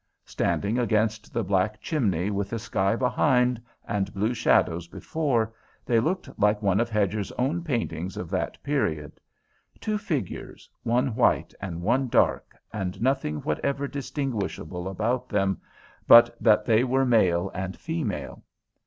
Standing against the black chimney, with the sky behind and blue shadows before, they looked like one of Hedger's own paintings of that period; two figures, one white and one dark, and nothing whatever distinguishable about them but that they were male and female.